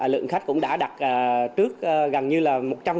lượng khách cũng đã đặt trước gần như là một trăm linh